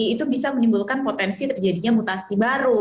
itu bisa menimbulkan potensi terjadinya mutasi baru